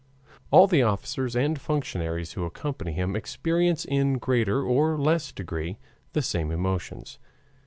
All the officers and functionaries who accompany him experience in greater or less degree the same emotions.